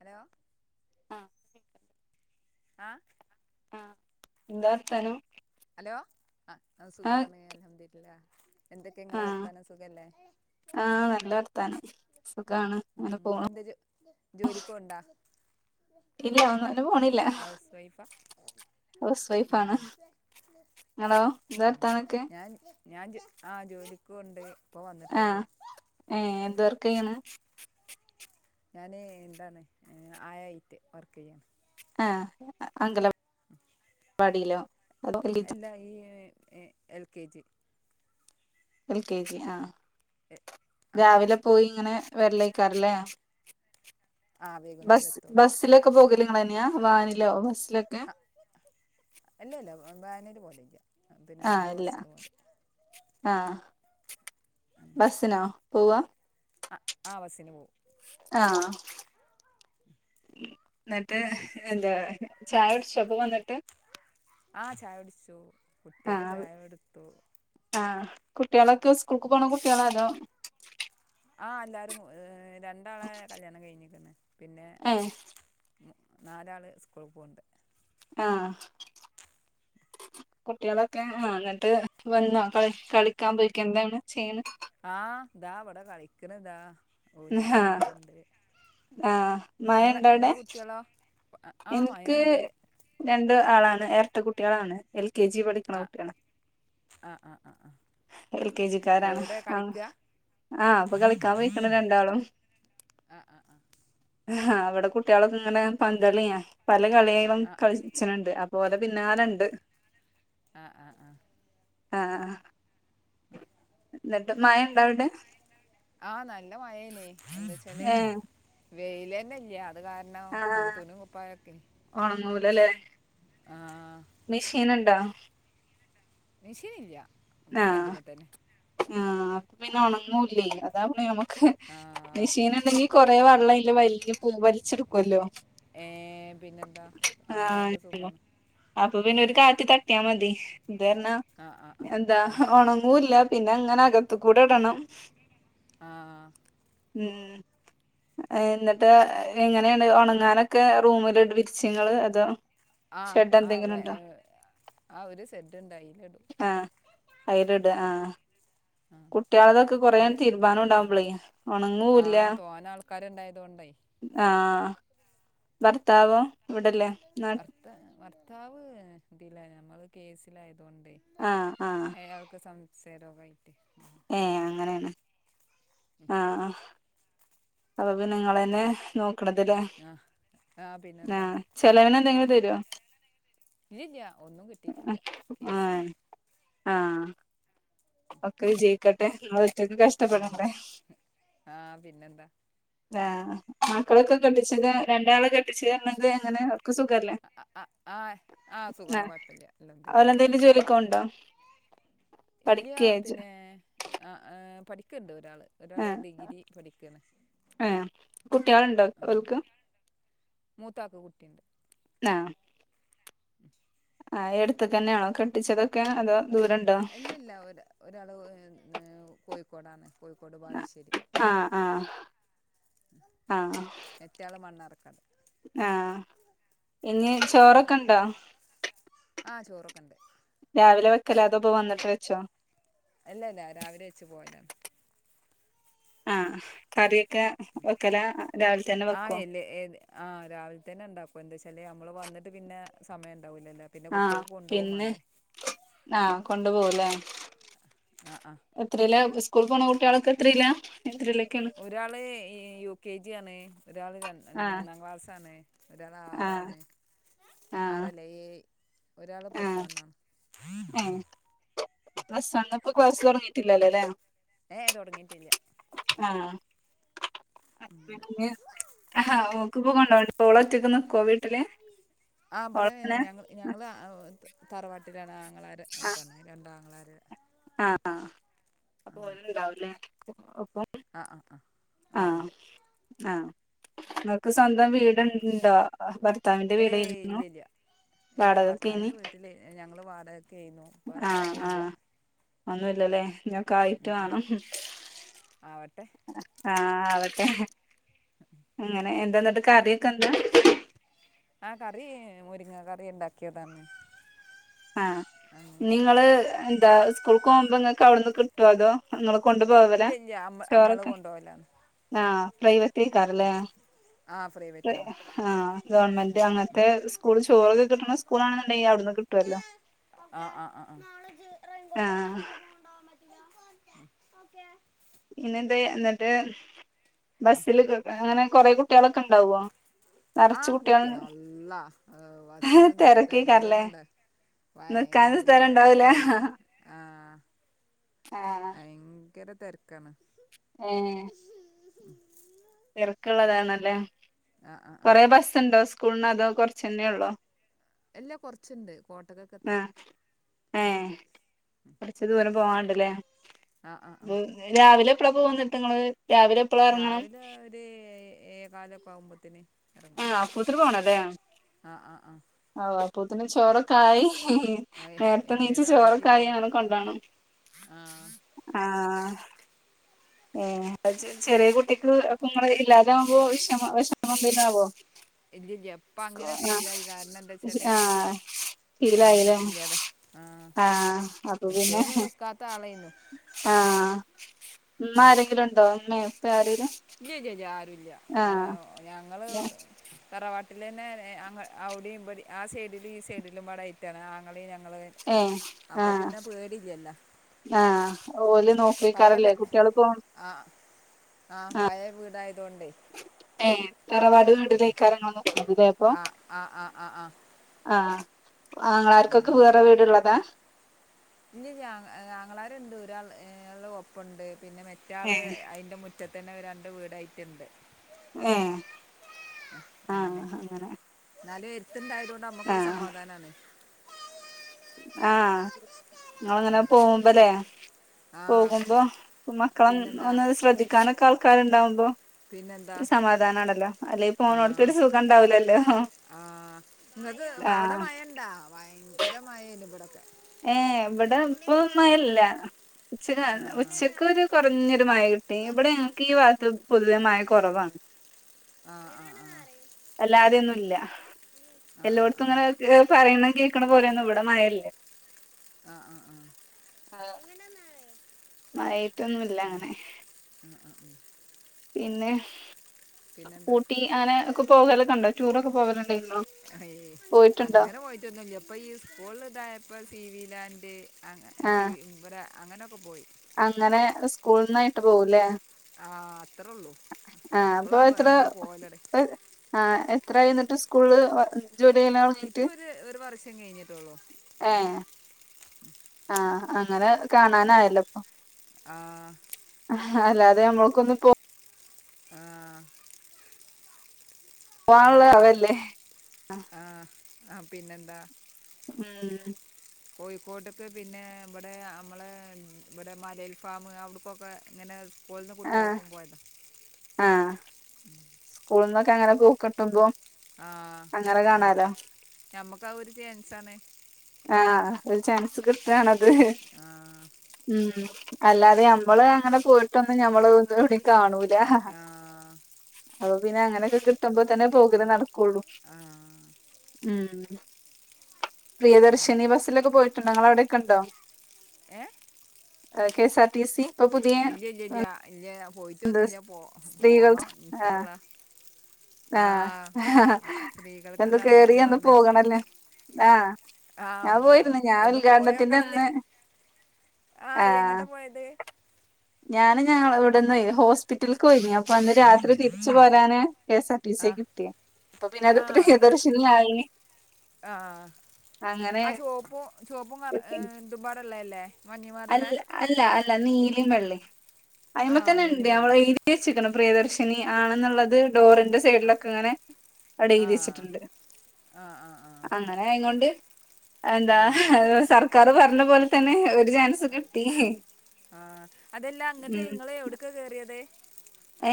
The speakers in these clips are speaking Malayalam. ഹലോ. [inaudible] ആഹ് ആഹ് എന്താ വർത്താനം? ഹലോ, അ ആഹ് സുഖാണ് അൽഹംദുലില്ലാഹ്, എന്തൊക്കെ നിങ്ങളെ ആഹ് വർത്താനം സുഖല്ലേ? ആഹ് നല്ല വർത്താനംസുഖാണ് അങ്ങനെ പോണു. ജോലിക്ക് പോവ്ണ്ടോ, ഇല്ല ഒന്നിനും പോണില്ല ഹൗസ് വൈഫാ? ഹൗസ് വൈഫാണ് ഇങ്ങളോ എന്താ വർത്താനൊക്കെ [unintelligible] ഞാൻ ഞാൻ, ആ ജോലിക്കോണ്ട് ഇപ്പം വന്ന്ട്ടുള്ളു ഏ, എന്തു വർക്ക ചെയ്യ്ണ്? ഞാന്, എന്താണ് അ് ആയായിറ്റ് വർക്ക് ചെയ്യ. ആഹ് അ അങ്കല- വടിലൊ? [unintelligible] ന്താ ഈ, എ L K G L K G ആഹ്, എ ആ രാവിലെ പോയി ഇങ്ങനെ വെരലേയ്ക്കാരല്ലേ ആ വൈകുന്നേരം ബസ്, എത്തൊള്ളൂ ആ ബസ്സിലൊക്കെ പോകല നിങ്ങന്നെയാ വാനിലോ ബസ്സിലൊക്കെ? അല്ല ല്ല വ്, വാനില് പോവല് ല്ലാ ആഹ്, ഇല്ല ആഹ് ബസ്നോ പോവാ? ആ ആ ബസ്സിന് പോകും ആഹ്, ന്നട്ട് എന്താ? ചായ കുടിച്ചോ ഇപ്പം വന്നിട്ട്? ആ ചായ കുടിച്ചു കുട്ടിയക്ക്‌ ആഹ് ചായ കൊടുത്തു ആഹ്, കുട്ട്യേളൊക്കെ സ്കൂൾക്ക് പോണ കുട്ടികള അതോ? ആ എല്ലാരും രണ്ടാളെ കല്ല്യാണം കഴിഞ്ഞിക്കണ് പിന്നെ ഏഹ് നാലാൾ സ്കൂള് പോവ്ണ്ട്. ആഹ് കുട്ട്യോളൊക്കെ ആ എന്നിട്ട് വന്നോ കളി, കളിക്കാൻ പോയിക്ക എന്താണ് ചെയ്യണ്? ആഹ്, ഇതാ ഇവിടെ കളിക്കണതാ ഊഞ്ഞാലമേ ആഹ് ആടുണ്ട്. ആഹ് മഴ ഇങ്ങളെ ഇണ്ടോ അവിടെ നിങ്ങളെ കുട്ടിയോളോ? എനിക്ക് രണ്ട് ആളാണ് ഇരട്ട കുട്ടികളാണ് എൽ കെ ജി പഠിക്ക ആ [unintelligible] ആ ആ ആ ആ എൽ കെ ജിക്കാരാണ് എവിടെ ആണ് കളിക്കുക ആഹ്! ഇപ്പൊ കളിക്കാൻ പോയിക്ണ് രണ്ടാളും. ആ ആ ആ ആ ഇവിടെ കുട്ടികളൊക്കെ ഇങ്ങനെ പന്തളിയാ പല കളി പ്പം ആ കളിച്ചനുണ്ട് അപ്പോ അത് പിന്നാലെ ണ്ട്. ആ ആ ആ ആ ഹ അ ഇന്നത്തെ മഴ ഉണ്ടൊവിടെ? ആ നല്ല മഴേന്നേ എന്ന്ച്ചാല് ഏഹ് വയ്ല്ന്നെ ഇല്ല അത് കാരണ് ആഹ് [unintelligible] തുണി കുപ്പായൊക്കെ ആ മിഷീനൊണ്ടോ? മിശീന് ഇല്ല. ആ... ആ.. അപ്പ പിന്നെ ഉണങ്ങൂല്ലേ? അതാ പിന്നെ നമ്മ ഹ് ആ മെഷീൻ ഉണ്ടെങ്കി കൊറേ വെള്ളയ്‌ല് വലിക്കും വലിച്ചെടു ഏ.... പിന്നെന്താ അങ്ങനെ ആഹ് ആകുമ്പോ സുകാണ്. അപ്പൊ പിന്നെ ഒരു കാറ്റ് തട്ടിയാ മതി ഇതർഞ്ഞാ ആ ആ എന്താ ആ ഉണങ്ങൂല്ല പിന്നെ അങ്ങനെ അകത്തു കൂടെ ഇടണം. ആഹ ഉം. എന്നിട്ട്, എങ്ങനെയാണ് ഉണങ്ങാനൊക്കെ റൂമിൽ വിരിച്ചേങ്ങള് അതോ ആ ഷെഡ് ആ എന്തെങ്കിലും വെ- ഉണ്ടോ? ഏ, ആ ഒരു സെഡ് ഉണ്ട് അതിലിടും ആ അയല്ടാ ആ.. ആ കുട്ടികളുടെ തൊക്കെ കൊറേ അതിൽ തീരുമ്പാൻ ഉണ്ടാവകുമ്പളേ ആ ഉണങ്ങൂല്ല തോന ആൾക്കാരുണ്ടായത് കൊണ്ടേ ആ.. വർത്താവോ? ഭർത്ത ഭർത്താവ് തില്ല ഞമ്മള് കേസിലായതോണ്ട്. ആഹ് ആഹ് അയാൾക്ക് സംസയരോഗായിട്ട് ഏ അങ്ങനെയാണ് ആഹാ അപ്പൊപിന്നെ നിങ്ങള് തന്നെ നോക്കണത് ലേ ആഹ് ആഹ് ആ, പിന്നെന്താ ചെലവന് എന്തെങ്കിലും തരോ? ഇല്ലല്ലി ഒന്നും കിട്ടിയിട്ടില്ല ആ കേസുണ്ട്. ആ... ഒക്കെ ജയിക്കട്ടെ എങ്ങള് ഒറ്റക്ക് ഉം കഷ്ടപ്പെടണ്ടേ? ആഹ് പിന്നെന്താ ആഹ് മക്കളൊക്കെ കെട്ടിച്ചത് രണ്ടാള് കെട്ടിച്ചണെങ്കിൽ അങ്ങനെ ഒർക്ക് സുഖല്ലേ? ആഹ് ആഹ ആ സുഖമാണ് കുഴപ്പമില്ല അൽഹംദുലില്ലാ കൊണ്ടാ ഇല്ല പിന്നെ ആ.. ആഹാ പഠിക്കണ്ട് ഒരാള് ഒരാള് ഡിഗ്രി പഠിക്കാണ്. ആഏ കുട്ടികളുണ്ടോ ഓൾക്ക്? മൂത്താക്ക് കുട്ടിയുണ്ട്. നാ ട്ടിം [inaudible] ആയ് എടുത്തൊ തന്നെയാ കെട്ടിച്ചതൊക്കെ അതോ ദൂരണ്ടൊ? അല്ല ഇല്ല ഒ ഒരാള് ഉം.... കോഴിക്കോടാണ്, കോഴിക്കോട് ബാലുശ്ശേരി. ആഹ ആഹ എറ്റാള് മണ്ണാർക്കാട് ആ ഇനി ചോറൊക്കെ ഇണ്ടോ? ആ ചോറൊക്കെ ഉണ്ട്. രാവിലെ വെക്കല അതോ ഇപ്പ വന്നിട്ട് വെച്ചോ? അല്ലല്ലാ രാവിലെ വെച്ച് പോയതാണ്. ആഹ കറിയൊക്കെ വെക്കല രാവിലെ തന്നെ വെക്കൊ? ഹേഹേത് ആഹ രാവിലെ തന്നെ ഉണ്ടാക്കും എന്താ വച്ചാല് നമ്മള് വന്നിട്ട് പിന്നെ സമയ ഉണ്ടാവില്ലല്ലോ? ആഹ് പിന്നെ, ആഹ് കൊണ്ടുപോവുല്ലേ. ആഹ് ആഹ് എത്രേലാ ഇസ്കൂൾ പോണ കുട്ട്യാളക്കെ എത്രേലാ? ഒരാള് ഏഹ് യു കെ ജി ആണ്, ഒരാള് രൺ ആഹ് മൂന്നാം ക്ലാസ്സാണ് ഒരാൾ ആഹ് ആറാാണ്, ആഹ് ആറല്ല ഏയ് ഒരാള് ആഹ് പ്ലസവണ്ണാണ്. [inaudible] [unintelligible] പ്ലസ്വണ്പ്പോ ക്ളാസ് തൊടങ്ങിട്ടില്ലല്ലൊ ലെ ഏയ് തൊടങ്ങീട്ടില്ല്യ [unintelligible] ആഹ്. പിന്നെ [unintelligible] ആഹാ ഓക്ക് [unintelligible] ഓള് ഒറ്റക്ക് നിക്കോ വീട്ടില്? ആ ബ്റെ ഓളെങ്ങനെ ഞങ്ങള് ഞങ്ങള് അ ത് തറവാട്ടിലാണ് ആങ്ങളാരെ അപ്പാണ്, രണ്ടാങ്ങളാരെ ആഹ് ആഹ് അപ്പൊ അങ്ങനെ ഒരുംണ്ടാവൂല്ലേ. [unintelligible] ആഹ് ആഹ് ആഹ് ആഹ് ആഹ് ഇങ്ങക്ക് സ്വന്തം വീട്ൺണ്ടോ? ഭർത്താവിന്റെ ഏയ് വീടേര്ന്നു ഇല്ലില്ല വാടകക്കേനി ഏഹ് ഞങ്ങൾ വാടകക്കേനു. ആഹ് ആഹ് ഒന്നുല്ലലേ. ക്കായിട്ട് വാണം ആവട്ടെ ആഹ് ആവട്ടെ ഹ് അങ്ങനെ എന്താെന്നട്ട് കറിയൊക്കെ എന്ത ആഹ് കറീ മുരിങ്ങാ കറി ഉണ്ടാക്കിയതന്ന് ആ ഇനീങ്ങള് എന്താ ഇസ്കൂൾക്ക് പോവുമ്പോ ഇങ്ങക്ക് അവിട്ന്ന് കിട്ടുവോ അതോ ഇങ്ങൾ കൊണ്ടു പോവലാ ഇല്ല ഇല്ല അമ്മ നമ്മൾ ചോറൊക്കെ, കൊണ്ടുപോകലാണ് ആ പ്രൈവറ്റായിക്കാരല്ലേ? ആഹ് ഫ്രൈവറ്റാണ് ആഹ് ഗവൺമെന്റ് അങ്ങൻത്തെ സ്കൂൾ ചോറൊക്കെ കിട്ടുന്ന സ്കൂളാണെന്നുണ്ടെങ്കിൽ അവിട്ന്ന് കിട്ട്വല്ലോ. ആഹ്ആആആ നാളെ റൈൻകോട്ടെ ആഹ് സ്കൂളിൽ കാണ്ടൊകാൻ പറ്റില്ല? ഓക്കെ. ന്നെ എന്തേ എന്നിട്ട് ബസ്സില് ക് ങ്ങനെ കൊറേ കുട്ടിയളൊക്കെ ഓക്കെ ഉണ്ടാവുഓ? നെറച്ച് കുട്ടികൾള് ആഹ് വസിലൊന്നു സ്ഥലന്തെന്നെ ഇണ്ടാ- നിക്കാനും ഭയങ്കര സ്ഥലം ഉണ്ടാവൂല തിരക്ക് ആ ആ ഭയങ്കര തിരക്കാണ് ഏഹ് തിരക്ക്ള്ളതാണല്ലേ ആഹ് ആഹ് ആഹ് കൊറേ ബസ്സ്ണ്ടോ സ്കൂളിന് അതോ കൊറച്ചെന്നെ ഒള്ളോ ഇല്ല കൊറച്ചുണ്ട് കോട്ട് ഒക്കെ കിട്ടണം ആഹ് ഏഹ് കൊറച്ച് ദൂരം പോവാണ്ട് ല്ലെ ആഹ് ആഹ് ആഹ് ഉം രാവിലെ പ്രഭു വന്നിട്ട് നിങ്ങള് രാവിലെ എപ്പളാ എറങ്ങണം രാവിലെ ഒര് ഏഴേ ഏഴേകാലൊക്കെ ആവുമ്പത്തി ന് ഏഹ് അപ്പോത്തിന് പോണം ല്ലെ ആഹ് ആഹ് ഓ അപ്പോത്തിന് ചോറെ ക്കായി ഹി ഹി ഹി ആഹ് ഏഹ് നേരത്തെ നീച്ച എല്ലേതും ആക്കി ചോറൊക്കായ് പോണം അങ്ങന കൊണ്ടോണം ആഹ് ആഹ ഏ ചെറിയ കുട്ടിക്ക് അപ്പൊ നിങ്ങള് ഇല്ലാതൊവകുമ്പോ വിഷമ വിഷമം എന്തേലും ആവോ ഇല്ലില്ല ഇപ്പ അങ്ങനെ സീലായി കാരണ ആഹ് എന്താച്ചാല് ആഹ് ശീലായില്ലേ ആരുല്ല്യതെ ആഹ ആഹ് നിത്യോ ഒന്നും നിക്കാത്ത ആളായിരുന്നു ആഹ ഉമ്മ ആരെങ്കിലും ഉണ്ടോ ഉമ്മ ഇപ്പ ആരെങ്കിലും ഇല്ല്യ ഇല്ല്യ ആരുല്ല്യ ഹേ ഞങ്ങള് തറവാട് വീട്ടില് തന്നെ ഏഹ് അങ്ങ് അവിടെയും ഇവിടെയും ആഹ് സൈഡിലും ഈ സൈഡിലും വടയിട്ടതാ ആങ്ങളയും ഞങ്ങളും. ഏ അപ്പൊ ആഹ് പിന്നെ പേടിയില്ല. ആഹ് ഓല് നോക്കിക്കാറല്ലേ കുട്ടികൾക്കും. ആഹ് ആഹ് പഴയ വീടായതോണ്ടേ. ഏ തറവാട് വീട്ടിത്തേക്ക് കാര്യങ്ങളൊന്നും എന്തേ. ആഹ് ആഹ് ആഹ് ആഹ് ആഹ്. ആഹ് ആങ്ങളമാർക്കൊക്കെ വേറെ വീടുയുള്ളതാ. ഇനി ഞാൻ ആങ്ങളരുണ്ട് ഒരാള് ഏഹ് ഒപ്പുണ്ട് പിന്നെ ഏ മറ്റാള് അതിന്റെ മുറ്റ ഇപ്പൊ തന്നെ രണ്ട് വീടായിട്ടുണ്ട്, ഏ അങ്ങനെ. എന്നാലും എരുത്തുണ്ടായതു കൊണ്ട് നമുക്കൊരു ആഹ് സമാധാനാണ് ആഹ് നിങ്ങളങ്ങന പോകുമ്പലെ ആ പോകുമ്പോ [unintelligible] പിന്നെന്താ ഒന്ന് അത് ശ്രദ്ധി ക്കാനക്കെ ആൾക്കാരുണ്ടാവുമ്പോ പിന്നെന്താ ഒരു സമാധാനം ഉണ്ടല്ലോ അല്ലെ ഇപ്പൊ ഫോണും എടുത്ത് ഒരു സുഖം ഉണ്ടാവുല്ലല്ലോ. ആഹ് ഇങ്ങൾക്ക് അവിടെ മഴ ഇണ്ടോ, ഭയങ്കര മഴയാണ് ഇവിടെയൊക്കെ. ഏഹ് ഇവിടെ ഇപ്പം മഴ ഇല്ല ഉച്ചക്കാണ് എങ്ങനെയാണ് ഉച്ചക്ക് ആക്കി ഒരു. തരാം കുറഞ്ഞൊരു മഴ കിട്ടി വാ ഇവിടെ ഞങ്ങൾക്ക് ഈ ഭാഗത്ത് പൊതുവെ മഴ കുറവാ. ആഹ് ആഹ് ആഹ് അല്ലാതെയൊന്നുല്ല അറിയോ ഉം. ആ ആ ആ ആ എല്ലായിടത്തും ഇങ്ങനൊരു. ഇത് പറയണേ കേൾക്കണേ പോലെയൊന്നും ഇവിടെ മഴ ഇല്ല. ആഹ് ആഹ് ആഹ് മഴയത്തൊന്നും ഇല്ല അങ്ങനെ. ആഹ് ആഹ് ആഹ് പിന്നെ പിന്നെന്താ ഊട്ടി അങ്ങനെ ഒക്കെ പോകലൊക്കെ ഉണ്ടോ, ടൂറൊക്കെ പോകല് ഉണ്ടായിരുന്നോ? ഏയ്‌ അങ്ങനെ പോയിട്ടൊന്നുമില്ല. ഇപ്പൊ ഈ സ്കൂളില് ഇതായപ്പോ സി വി ലാൻഡ് അങ്ങ് ആഹ് ഇവിടെ അങ്ങനൊക്ക പോയി അങ്ങനെ സ്കൂള്ന്നായിട്ട് പോവുല്ലേ ആഹ് അത്രേയുള്ളൂ, അപ്പൊ ഇപ്പളാ എത്ര നമ്മള് പോവാല് ഇടക്ക്. ആഹ് എത്ര ആയി എന്നിട്ട് സ്കൂളില് വന്ന്. ഇപ്പൊ ഒരു ഒരു വർഷം കഴിഞ്ഞിട്ടേയുള്ളൂ. ഏഹ് ആഹ് അങ്ങന കാണാനായല്ലോ അപ്പൊ ആഹ് ഹാഹ് അല്ലാതെ ഞമ്മക്കൊന്ന് പോ ആഹ്. അങ്ങനെ, പോവാനുള്ളതാവല്ലേ ആഹ് ആ പിന്നെന്താ? ഉംമ്മ് കോയ്ക്കോട്ട്ക്ക് പിന്നെ ബ്ടെ അമ്മളെ ഇബ്ടെ മലേൽ ഫാമ് അവിടുക്കൊക്കെ ങ്ങനെ സ്കൂൾന്ന് ആഹ് കുട്ടിയളൊപ്പം പോയതാ. സ്കൂൾന്നൊക്കെ അങ്ങനെ പോ കിട്ടുംബൊ. ആഹ് അമ്മ ഞമ്മുക്ക് ആ ഒരു ചേൻസാണ്. ആഹ് ഒരു ചാൻസ് കിട്ട്ആണത്. ആ ഉം അല്ലാതെ ഞമ്മള് അങ്ങനെ പോയിട്ടൊന്ന് ഞമ്മള് എവിടേം കാണൂല ഹഹ ആ അപ്പൊ പിന്നെ അങ്ങനൊക്കെ കിട്ടുമ്പോ തന്നെ പോകൽ നട [unintelligible] ആ ഉം. പ്രിയദർശനി ബസ്സിലൊക്കെ പോയിട്ടുണ്ടോ ഇങ്ങളെ അവിടൊക്കെ ഉണ്ടോ? ഏഹ്? ഏഹ് കേസാർടീസി ഇല്ലല്യല്യ ല്ല്യ ഞാ പോയിട്ടൊന്നുല്ല പോ സ്ത്രീകൾ പോണം ആഹ് ഇൻഷാഅള്ള. ആഹ് ഹ്ഹഹ സ്ത്രീകൾക്ക് എന്നും ഇതാണ് കേറി എന്നും പോകണല്ലേ ആഹ്. ആഹ്, ഞാൻ പോയ് പോയിരുന്നു ഞാൻ ഒന്ന് ഉദ്ഘാടനത്തിന്റെ പോയോക്കണന്ന്. അന്ന് ആഹ് യെങ്ങട്ട പോയത്? ഞാൻ ഞങ്ങളിവിട്ന്ന് ഹോസ് പിറ്റൽക്ക് പോയിനീ, അപ്പൊ അന്ന് രാത്രി തിരിച്ചു പോരാന് കെ എസ്ആർ ടി ആ സിയെ കിട്ടിയെ. അപ്പൊ പിന്നെ അത് ആ അങ്ങ് പ്രിയദർശിനിയായി. ആ ആ ചെവപ്പ് ചെവപ്പും കറ ഇതുബാർ ഉള്ളതല്ലേ മഞ്ഞബാറിലെ അല്ല അല്ല അല്ല നീലെ, വെള്ളയെ ആ അയിമെ തന്നെ ഇണ്ട് നീലിമല്ലേ അവിടെ എഴുതി വെച്ചിക്ക്ണു പ്രിയദർശിനി ആണെന്നുള്ളത് ഡോറിന്റെ ആ സൈഡിലൊക്കെ ഇങ്ങനെ. അവടെ എഴുതി വെച്ചിട്ടുണ്ട്. ആഹ് ആഹ് ആഹ് അങ്ങനെ ആയത്കൊണ്ട് എന്താ സർക്കാർ പറഞ്ഞപോലെ തന്നെ ഒരു ചാൻസ്. കിട്ടി ആഹ് അതെല്ലാ അങ്ങട്ട് ഉം നിങ്ങളെ എവിടെക്കാ കേറിയത്.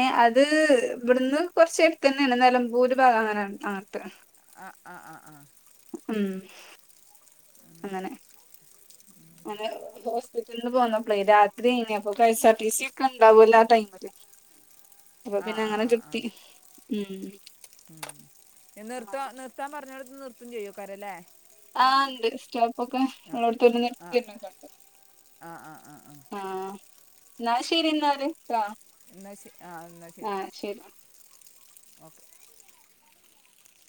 ഏ അത് ഇവിടുന്ന് കൊറച്ച് എടുത്ത് നടന്നാലും മ്പൂരിഭാഗം അങ്ങനെയാണ് അങ്ങനത്തെ ആഹ് ആഹ് ആഹ് ആഹ് ഉം അങ്ങനെ നമ്മള് ഹോസ്പിറ്റലിന്ന് പോന്നപ്പളേ രാത്രി കഴിഞ്ഞ് അപ്പൊ കെഎസ്ആർടിസി ഒണ്ടാവൂല്ലോ ആ ടൈമില്. അപ്പൊ ആഹ് പിന്നെ ആഹ് അങ്ങനെ ആഹ് കിട്ടി ആഹ് ഉം ഉം നിർത്തുവ നിർ ത്താൻ പറഞ്ഞോടുത്ത് നിർത്തും ചെയ്യോക്കാര് അല്ലേ ആഹ് ബസ് സ്റ്റോപ്പെക്കെ ഉള്ളളോടെത്ത് ഓര് നിർത്തി ഇട്ടിയിട്ടുണ്ട് ആഹ് ആഹ് ആഹ് ആഹ് എന്നാ ശരി എന്നാല് ആഹ് എന്നാ ശരി ആ എന്നാ ശരി. ശരി. ഓക്കെ.